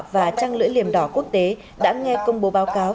và trăng lưỡi liềm đỏ quốc tế đã nghe công bố báo cáo